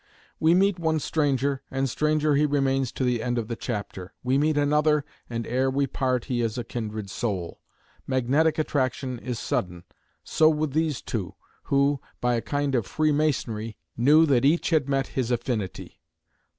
We meet one stranger, and stranger he remains to the end of the chapter. We meet another, and ere we part he is a kindred soul. Magnetic attraction is sudden. So with these two, who, by a kind of free masonry, knew that each had met his affinity.